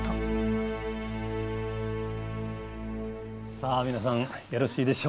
さあ皆さんよろしいでしょうかね？